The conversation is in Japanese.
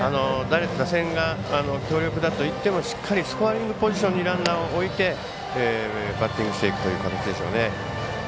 打線が強力だと１点をしっかりスコアリングポジションに置いてバッティングしていくという形でしょうね。